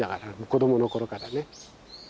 子供の頃からね。